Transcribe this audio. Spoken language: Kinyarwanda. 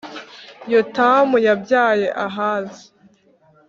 Yotamu yabyaye Ahazi,